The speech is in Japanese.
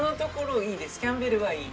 キャンベルはいい。